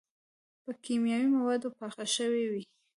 پۀ کيماوي موادو پاخۀ شوي وي